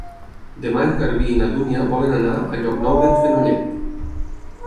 Demà en Garbí i na Dúnia volen anar a Llocnou d'en Fenollet.